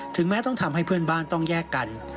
แม้ต้องทำให้เพื่อนบ้านต้องแยกกัน